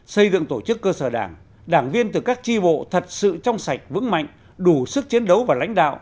xây dựng tổ chức cơ sở đảng đảng viên từ các tri bộ thật sự trong sạch vững mạnh đủ sức chiến đấu và lãnh đạo